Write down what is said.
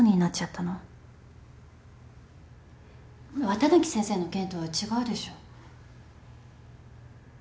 綿貫先生の件とは違うでしょ。